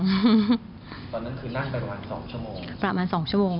ตอนนั้นคือนั่งประมาณ๒ชั่วโมง